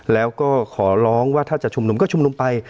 แล้วก็ขอร้องว่าถ้าจะชุมนุมก็ชุมนุมไป